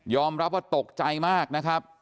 รับว่าตกใจมากนะครับ